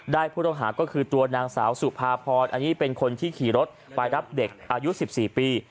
ผู้ต้องหาก็คือตัวนางสาวสุภาพรอันนี้เป็นคนที่ขี่รถไปรับเด็กอายุ๑๔ปี